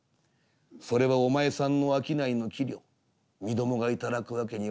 「それはお前さんの商いの器量身どもが頂く訳には」。